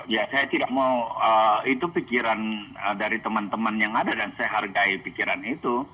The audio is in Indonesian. ya saya tidak mau itu pikiran dari teman teman yang ada dan saya hargai pikiran itu